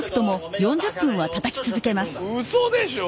うそでしょ！？